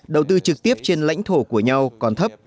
đầu tư trực tiếp trên lãnh thổ của nhau còn thấp